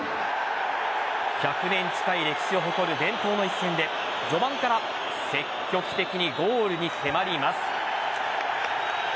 １００年近い歴史を誇る伝統の一戦で序盤から積極的にゴールに迫ります。